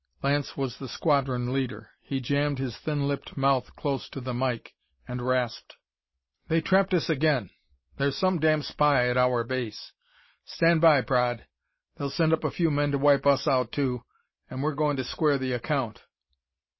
Lance was the squadron leader. He jammed his thin lipped mouth close to the "mike" and rasped: "They trapped us again! There's some damn spy at our base. Stand by, Praed! They'll send up a few men to wipe us out, too ... and we're goin' to square the account!"